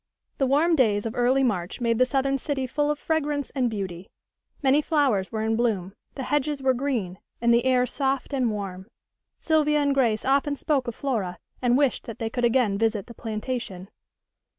The warm days of early March made the southern city full of fragrance and beauty. Many flowers were in bloom, the hedges were green, and the air soft and warm. Sylvia and Grace often spoke of Flora, and wished that they could again visit the plantation.